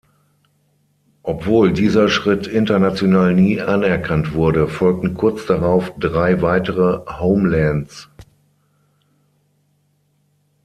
Obwohl dieser Schritt international nie anerkannt wurde, folgten kurz darauf drei weitere Homelands.